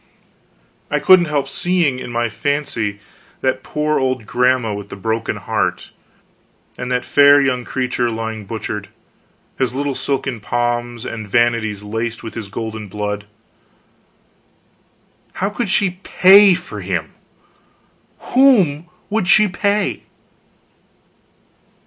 I couldn't help seeing, in my fancy, that poor old grandma with the broken heart, and that fair young creature lying butchered, his little silken pomps and vanities laced with his golden blood. How could she pay for him! Whom could she pay?